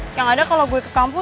yang ada kalo gue ke kampus